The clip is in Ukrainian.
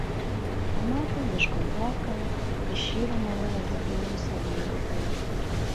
А мати нишком плакала і щиро молилась за долю своєї дитини.